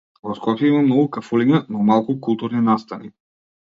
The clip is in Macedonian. Во Скопје има многу кафулиња, но малку културни настани.